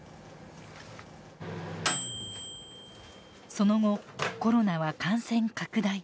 その後コロナは感染拡大。